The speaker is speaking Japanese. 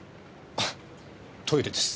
あっトイレです。